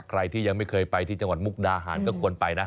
ใครที่ยังไม่เคยไปที่จังหวัดมุกดาหารก็ควรไปนะ